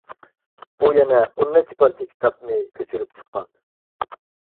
ئۇ يەنە ئون نەچچە پارچە كىتابنى كۆچۈرۈپ چىققان.